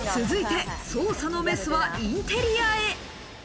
続いて捜査のメスはインテリアへ。